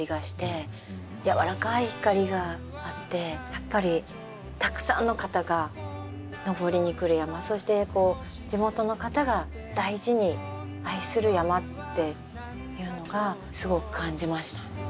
やっぱりたくさんの方が登りに来る山そして地元の方が大事に愛する山っていうのがすごく感じました。